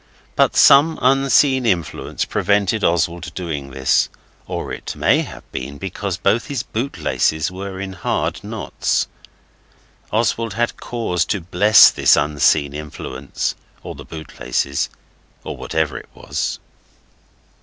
But some unseen influence prevented Oswald doing this; or it may have been because both his bootlaces were in hard knots. Oswald had cause to bless the unseen influence, or the bootlaces, or whatever it was.